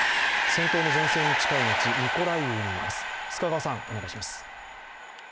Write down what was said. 戦闘の前線に近い町ミコライウにいます。